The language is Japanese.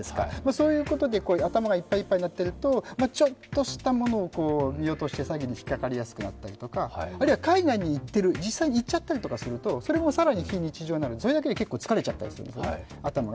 そういうことで頭がいっぱいいっぱいになっていると、ちょっとしたものを見落として詐欺に引っかかりやすくなるとか、あるいは海外に実際に行っちゃったりとかするとそれだけで非日常になる、それだけで結構疲れちゃったりするんです、頭が。